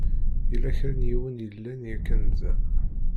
Yella kra n yiwen i yellan yakan da.